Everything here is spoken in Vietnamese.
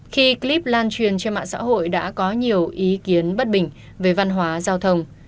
khi clip lan truyền trên mạng xã hội đã có nhiều ý kiến bất bình về văn hóa giao thông